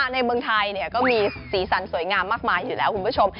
ในเมืองไทยก็มีสีสันสวยงามมากมายอยู่แล้วคุณผู้ชม